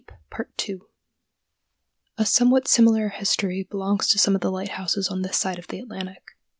] A somewhat similar history belongs to some of the lighthouses on this side of the Atlantic.